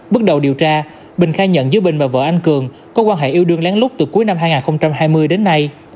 bước đầu điều tra bình khai nhận giữa bình và vợ anh cường có quan hệ yêu đương lén lút từ cuối năm hai nghìn hai mươi đến nay